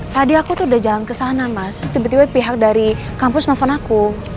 tadi aku tuh udah jalan ke sana mas tiba tiba pihak dari kampus nelfon aku